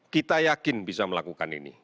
kita yakin bisa melakukan ini